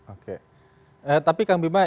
oke tapi kang bima